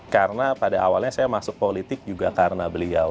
karena pada awalnya saya masuk politik juga karena beliau